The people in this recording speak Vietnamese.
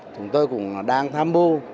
chúng tôi cũng đang tham mưu